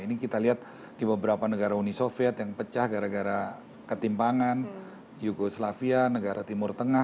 ini kita lihat di beberapa negara uni soviet yang pecah gara gara ketimpangan yugoslavia negara timur tengah